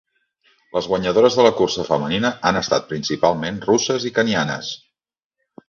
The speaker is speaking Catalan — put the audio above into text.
Les guanyadores de la cursa femenina han estat principalment russes i kenyanes.